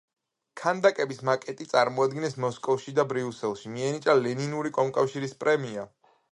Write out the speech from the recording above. ქანდაკების მაკეტი წარმოადგინეს მოსკოვში და ბრიუსელში, მიენიჭა ლენინური კომკავშირის პრემია.